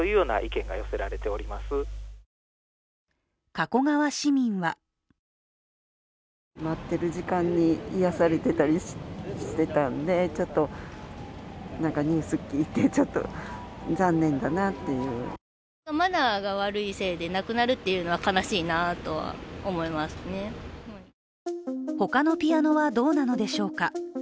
加古川市民は他のピアノはどうなのでしょうか。